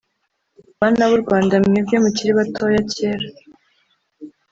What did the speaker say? Bana b'u Rwanda mwebwe mukiri batoya kera